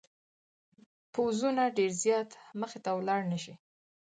پوځونه ډېر زیات مخته ولاړ نه شي.